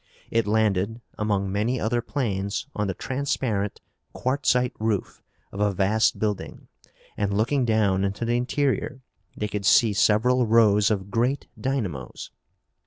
It landed, among many other planes, on the transparent, quartzite roof of a vast building and, looking down into the interior, they could see several rows of great dynamos.